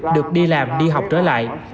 được đi làm đi học trở lại